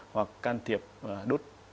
hoặc can thiệp đút